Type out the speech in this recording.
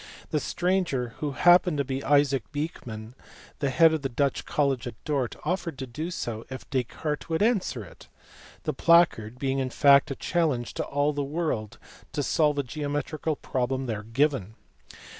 The stranger, who happened to be Isaac Beeckman, the head of the Dutch College at Dort, offered to do so if Descartes would answer it : the placard being in fact a challenge to all the world to solve a geometrical problem there given.